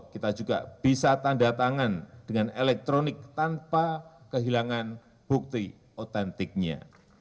kita juga bisa tanda tangan dengan elektronik tanpa kehilangan bukti otentiknya